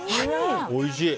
おいしい。